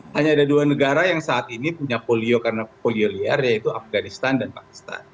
hanya ada dua negara yang saat ini punya polio karena polio liar yaitu afganistan dan pakistan